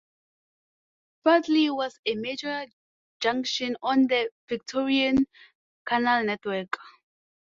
Fradley was a major junction on the Victorian canal network.